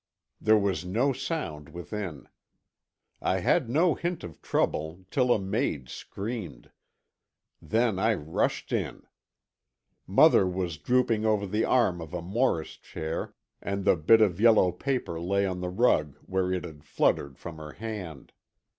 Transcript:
There was no sound within. I had no hint of trouble, till a maid screamed. Then, I rushed in. Mother was drooping over the arm of a Morris chair, and the bit of yellow paper lay on the rug where it had fluttered from her hand.